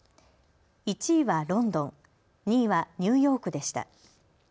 １位はロンドン、２位はニューヨークでした。